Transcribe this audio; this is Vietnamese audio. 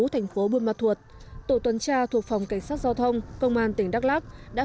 thành phố buôn ma thuột tổ tuần tra thuộc phòng cảnh sát giao thông công an tỉnh đắk lắc đã